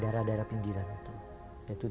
daerah daerah pinggiran itu yaitu tiga t